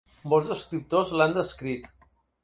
Molts escriptors l'han descrit.